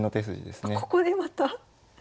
ここでまた？